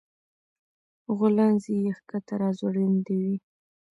غولانځې يې ښکته راځوړندې وې